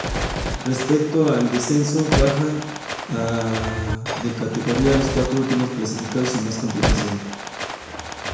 Respecto al descenso, bajan a de categoría los cuatro último clasificados sin más complicaciones.